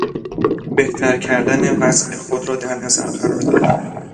بهتر کردن وضع خود را در نظر قرار دادن